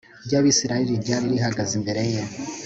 ry Abisirayeli ryari rihagaze imbere ye